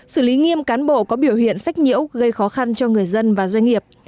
xử lý nghiêm cán bộ có biểu hiện sách nhiễu gây khó khăn cho người dân và doanh nghiệp